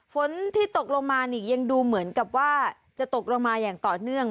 ฝนที่ตกลงมานี่ยังดูเหมือนกับว่าจะตกลงมาอย่างต่อเนื่อง